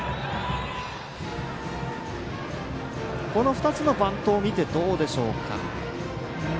２つのバントを見てどうでしょうか。